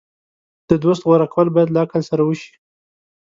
د دوست غوره کول باید له عقل سره وشي.